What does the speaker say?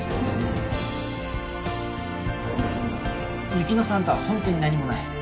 雪乃さんとはホントに何もない。